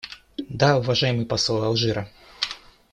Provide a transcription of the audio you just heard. Да, уважаемый посол Алжира.